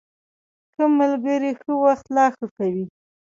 ښه ملګري ښه وخت لا ښه کوي.